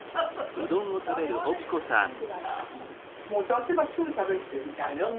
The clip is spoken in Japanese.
もう出せばすぐ食べるっていう。